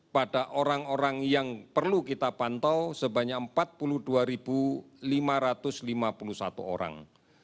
pada orang orang yang perlu kita pantau sebanyak empat puluh dua lima ratus lima puluh satu orang